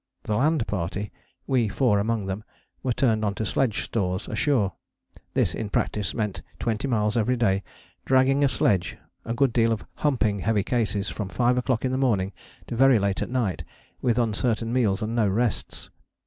The land party, we four among them, were turned on to sledge stores ashore. This in practice meant twenty miles every day dragging a sledge; a good deal of 'humping' heavy cases, from five o'clock in the morning to very late at night; with uncertain meals and no rests.